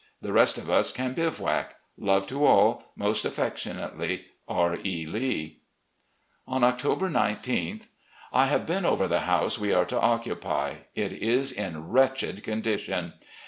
The rest of us can bivouac. Love to all. Most affectionately, R. E. Lee." On October 19th: . I have been over the house we are to occupy. It is in wretched condition.